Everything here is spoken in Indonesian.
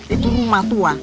itu rumah tua